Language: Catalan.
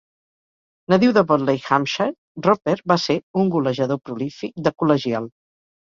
Nadiu de Botley (Hampshire), Roper va ser un golejador prolífic de col·legial.